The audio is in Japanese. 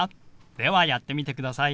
ではやってみてください。